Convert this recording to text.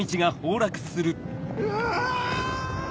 うわ！